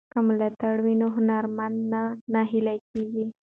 که ملاتړ وي نو هنرمند نه نهیلی کیږي.